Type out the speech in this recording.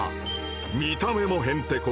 見た目もへんてこ。